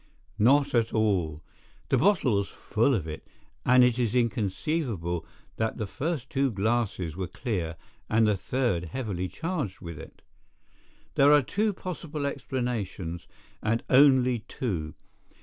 "Not at all. The bottle was full of it, and it is inconceivable that the first two glasses were clear and the third heavily charged with it. There are two possible explanations, and only two.